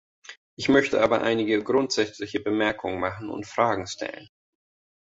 Ich möchte aber einige grundsätzliche Bemerkungen machen und Fragen stellen.